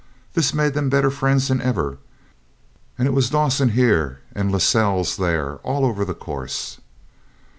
This made them better friends than ever, and it was Dawson here and Lascelles there all over the course.